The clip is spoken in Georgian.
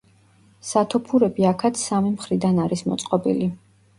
სათოფურები აქაც სამი მხრიდან არის მოწყობილი.